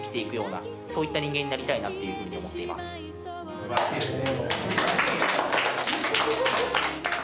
すばらしいですね。